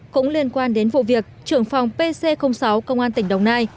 cũng liên quan đến vụ việc trưởng phòng pc sáu công an tỉnh đồng nai